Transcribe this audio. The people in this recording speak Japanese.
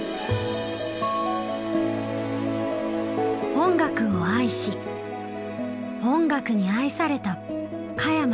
音楽を愛し音楽に愛された加山雄三さん。